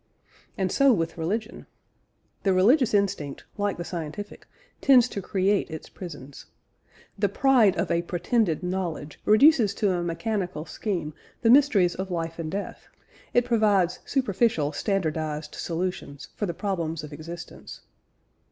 And so with religion. The religious instinct (like the scientific) tends to create its prisons. The pride of, a pretended knowledge reduces to a mechanical scheme the mysteries of life and death; it provides superficial standardised solutions for the problems of existence.